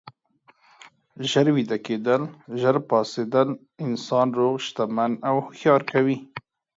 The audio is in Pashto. ژر ویده کیدل، ژر پاڅیدل انسان روغ، شتمن او هوښیار کوي.